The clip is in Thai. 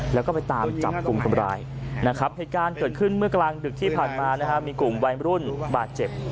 แล้วก็ไปตามจับกลุ่มคนร้ายนะครับเหตุการณ์เกิดขึ้นเมื่อกลางดึกที่ผ่านมานะฮะมีกลุ่มวัยรุ่นบาดเจ็บ